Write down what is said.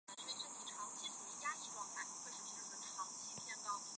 本赛季初阿德莱德联比赛的一大亮点是参加了今年的亚冠联赛。